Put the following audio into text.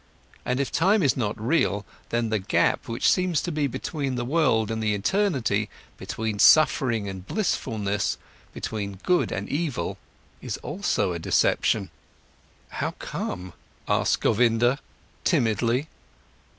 And if time is not real, then the gap which seems to be between the world and the eternity, between suffering and blissfulness, between evil and good, is also a deception." "How come?" asked Govinda timidly.